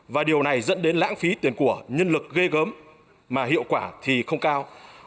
và điều này dẫn đến lãng phí tiền của nhân lực ghê gớm mà hiệu quả thì không cao